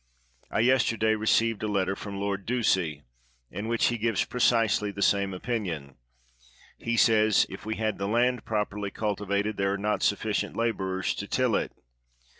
I yesterday received a letter from Lord Ducie, in w^hich he gives preciseh^ the same opinion. He says :'' If we had the land properly cultivated, there are not sufficient laborers to till it."